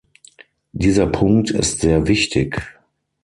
Dieser Punkt ist sehr wichtig.